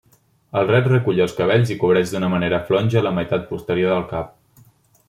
El ret recull els cabells i cobreix d'una manera flonja la meitat posterior del cap.